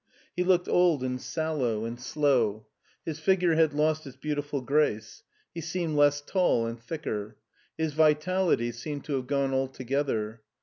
He looked old and sallow and slow. His figure had lost its beautiful grace. He seemed less tall and thicker. His vitality seemed to have gone altogether.